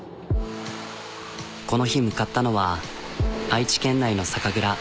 この日向かったのは愛知県内の酒蔵。